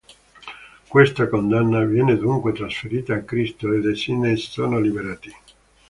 Questa condanna viene dunque trasferita a Cristo ed essi ne sono liberati.